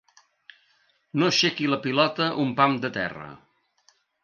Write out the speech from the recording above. No aixequi la pilota un pam de terra.